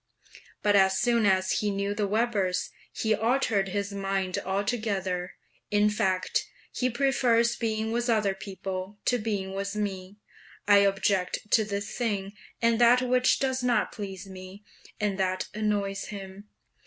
But as soon as he knew the Webers, he altered his mind altogether. In fact, he prefers being with other people to being with me; I object to this thing and that which does not please me, and that annoys him.